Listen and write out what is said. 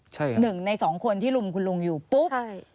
ใช่ครับหนึ่งในสองคนที่ลุมคุณลุงอยู่ปุ๊บ